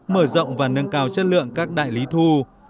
mở rộng và nâng cao chất lượng các đại lý thu